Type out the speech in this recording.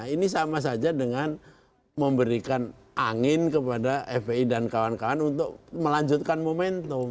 ini sama saja dengan memberikan angin kepada fpi dan kawan kawan untuk melanjutkan momentum